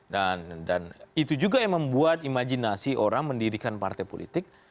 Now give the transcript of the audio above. dan itu juga yang membuat imajinasi orang mendirikan partai politik